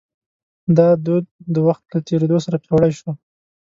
دا دود د وخت له تېرېدو سره پیاوړی شو.